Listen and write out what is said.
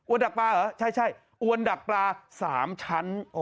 ดักปลาเหรอใช่อวนดักปลา๓ชั้น